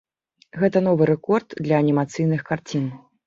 Гэта новы рэкорд для анімацыйных карцін.